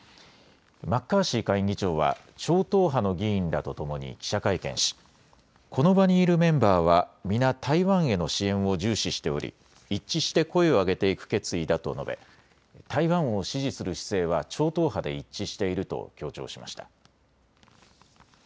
マッカーシー下院議長は超党派の議員らとともに記者会見しこの場にいるメンバーは皆、台湾への支援を重視しており一致して声を上げていく決意だと述べ台湾を支持する姿勢は超党派で一致していると強調しました。